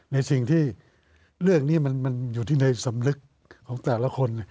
ในสิ่งที่เรื่องนี้มันอยู่ที่ในสำนึกของแต่ละคน